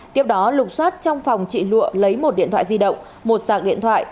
tiếp đó lục xoát trong phòng trị lụa lấy một điện thoại di động một sạc điện thoại